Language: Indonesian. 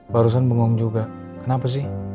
barusan bingung juga kenapa sih